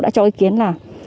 đã cho ý kiến là